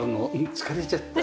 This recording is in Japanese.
疲れちゃった。